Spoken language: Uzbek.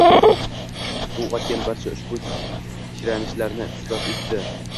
U otgan barcha ushbu chiranishlarni isrof etdi.